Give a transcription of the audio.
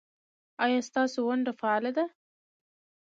ایا ستاسو ونډه فعاله ده؟